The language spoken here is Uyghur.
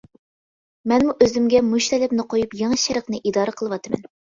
مەنمۇ ئۆزۈمگە مۇشۇ تەلەپنى قويۇپ يېڭى شەرقنى ئىدارە قىلىۋاتىمەن.